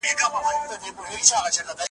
په ملګرو چي دي ګډه واویلا ده ,